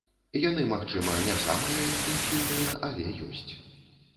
Яны, магчыма, не самыя інтэнсіўныя, але ёсць.